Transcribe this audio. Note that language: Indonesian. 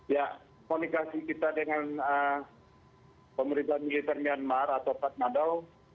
ya komunikasi kita dengan pemerintahan militer myanmar atau padma dao